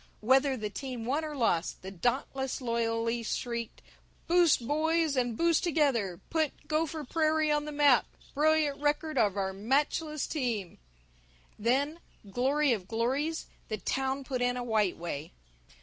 Whether the team won or lost the Dauntless loyally shrieked, "Boost, Boys, and Boost Together Put Gopher Prairie on the Map Brilliant Record of Our Matchless Team." Then, glory of glories, the town put in a White Way.